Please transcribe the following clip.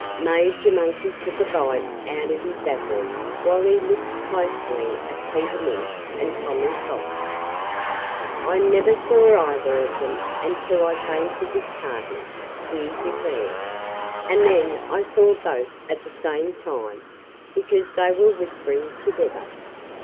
Major Monkey took a bite out of his apple while he looked closely at Peter Mink and Tommy Fox. "I never saw either of them until I came to this party," he declared. "And then I saw both at the same time, because they were whispering together."